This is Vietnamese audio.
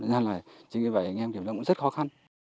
nên là chính vì vậy anh em kiểm tra cũng rất khó khăn